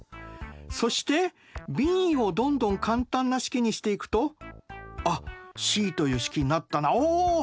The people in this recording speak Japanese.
そしてＢをどんどん簡単な式にしていくとあっＣという式になったなおお！